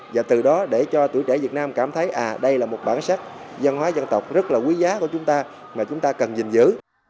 và từ đó để cho tuổi trẻ việt nam cảm thấy à đây là một bản sắc văn hóa dân tộc rất là quý giá của chúng ta mà chúng ta cần nhìn giữ